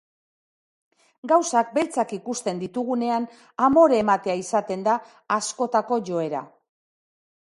Gauzak beltzak ikusten ditugunean, amore ematea izaten da askotako joera.